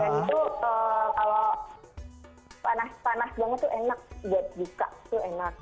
dan itu kalau panas banget tuh enak enggak buka tuh enak